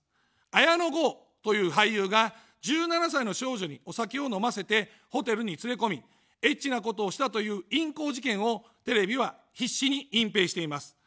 綾野剛という俳優が１７歳の少女にお酒を飲ませて、ホテルに連れ込み、エッチなことをしたという淫行事件をテレビは必死に隠蔽しています。